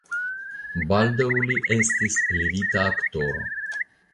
Baldaŭ li estis levita aktoro.